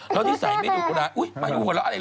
แล้วที่ใส่ไม่ดูกุระอุ๊ยมาอยู่กันแล้วอะไรล่ะ